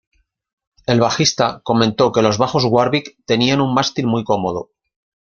El bajista comentó que los bajos Warwick tenían un mástil muy cómodo.